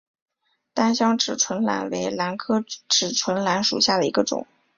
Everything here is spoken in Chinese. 单囊齿唇兰为兰科齿唇兰属下的一个种。